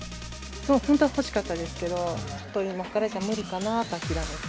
本当は欲しかったですけど、ちょっと今からじゃ無理かなって諦めて。